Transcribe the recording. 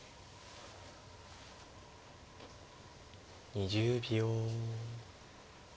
２０秒。